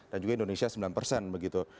dan juga indonesia sembilan persen begitu